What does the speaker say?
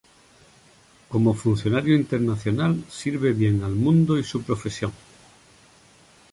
Como funcionario internacional, sirve bien al mundo y su profesión.